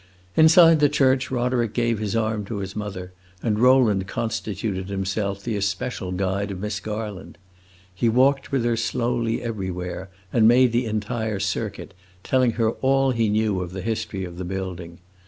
Inside the church, Roderick gave his arm to his mother, and Rowland constituted himself the especial guide of Miss Garland. He walked with her slowly everywhere, and made the entire circuit, telling her all he knew of the history of the building.